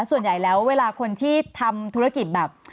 ส่วนใหญ่แล้วเวลาคนที่ทำธุรกิจแบบ